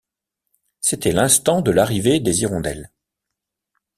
C’était l’instant de l’arrivée des hirondelles.